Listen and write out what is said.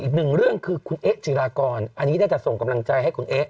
อีกหนึ่งเรื่องคือคุณเอ๊ะจิรากรอันนี้ได้แต่ส่งกำลังใจให้คุณเอ๊ะ